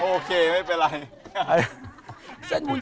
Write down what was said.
โอเคไม่เป็นไร